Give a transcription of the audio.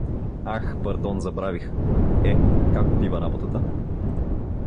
— Ах, пардон, забравих… Е, как отива работата?